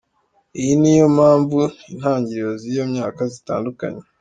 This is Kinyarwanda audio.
Iyi ni yo mpamu intangiro z’iyo myaka zitandukanye.